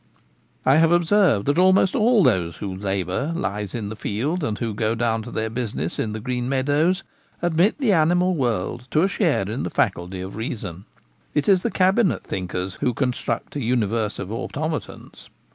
I have observed that almost all those whose labour lies in the field, and who go down to their business in the green meadows, admit the animal world to a share in the faculty of reason. It is the cabinet thinkers who construct a universe of automatons.